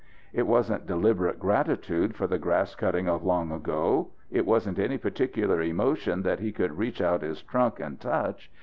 It wasn't deliberate gratitude for the grass cutting of long ago. It wasn't any particular emotion that he could reach out his trunk and touch.